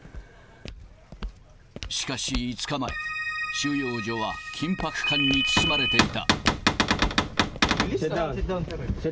しかし５日前、収容所は緊迫感に包まれていた。